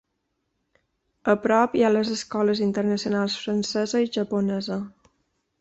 A prop hi ha les escoles internacionals francesa i japonesa.